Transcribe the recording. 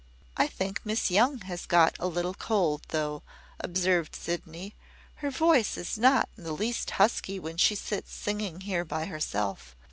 "I think Miss Young has got a little cold, though," observed Sydney. "Her voice is not in the least husky when she sits singing here by herself.